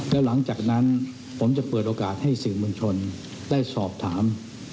แล้วหลังจากนั้นผมจะเปิดโอกาสให้สื่อมวลชนได้สอบถาม